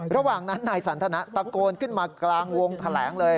ระหว่างนั้นนายสันทนะตะโกนขึ้นมากลางวงแถลงเลย